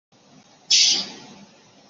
两汉和西晋则让西域臣服。